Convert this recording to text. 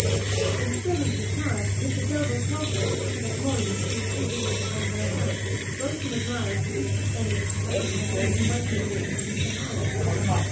When the servants retired, Mr Delvile told her that he had that morning received two visits upon her account, both from admirers, who each pretended to having had leave to wait upon her from Mr Harrel.